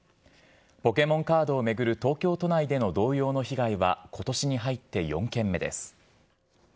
ポケモンカードを巡る東京都内での同様の被害はことしに入って４件目です。